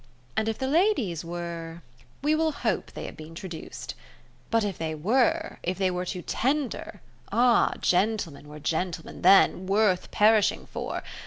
And if the ladies were ... we will hope they have been traduced. But if they were, if they were too tender, ah! gentlemen were gentlemen then worth perishing for!